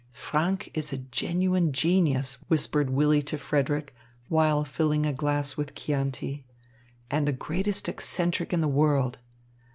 "Franck is a genuine genius," whispered Willy to Frederick, while filling a glass with Chianti, "and the greatest eccentric in the world.